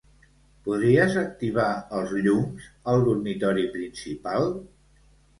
Podries activar els llums al dormitori principal?